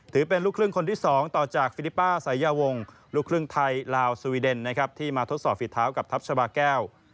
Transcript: ถือเป็นลูกครึ่งคนที่๒ต่อจากฟิลิป้าสายยาวงลูกครึ่งไทยลาวสวีเดนนะครับที่มาทดสอบฝีเท้ากับทัพชาบาแก้ว